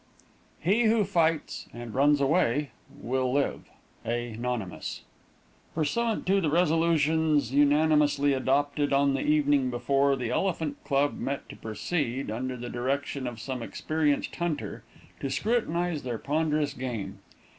"He who fights and runs away, Will live " A. NONYMOUS. Pursuant to the resolutions unanimously adopted on the evening before, the Elephant Club met to proceed, under the direction of some experienced hunter, to scrutinize their ponderous game.